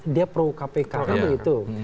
dia pro kpk kan begitu